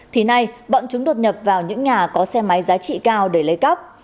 thì nay bọn chúng đột nhập vào những nhà có xe máy giá trị cao để lấy cắp